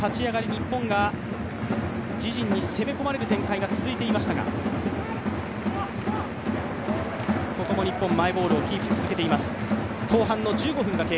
日本が自陣に攻め込まれる展開が続いていましたがここも日本、マイボールをキープしています。